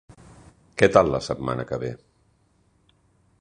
Què tal la setmana que ve?